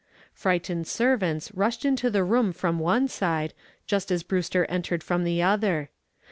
Frightened servants rushed into the room from one side just as Brewster entered from the other.